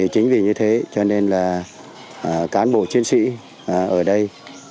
chính vì như thế cho nên là cán bộ chiến sĩ ở đây